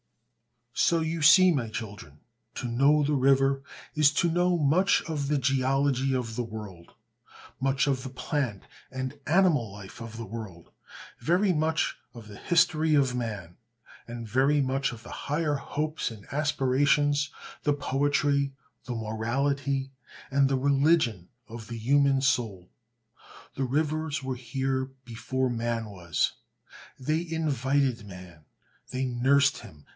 So you see, my children, to know the river is to know much of the geology of the world, much of the plant and animal life of the world, very much of the history of man, and very much of the higher hopes and aspirations, the poetry, the morality, and the religion of the human soul. The rivers were here before man was. They invited man. They nursed him.